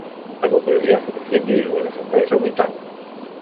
La popularidad fue creciendo y el número de ejemplares aumentaba.